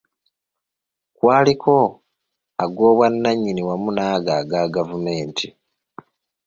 Kwaliko ag’obwannannyini wamu n’ago aga gavumenti.